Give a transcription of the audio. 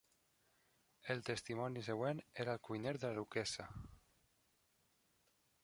El testimoni següent era el cuiner de la duquessa.